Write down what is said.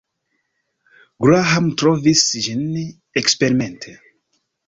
Graham trovis ĝin eksperimente.